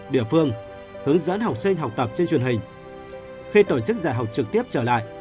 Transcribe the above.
để tổ chức giải học trực tiếp trở lại